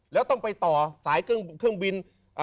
แล้วต้องไปต่อสายเครื่องบิน